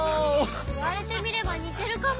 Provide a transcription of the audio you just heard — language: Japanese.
言われてみれば似てるかも！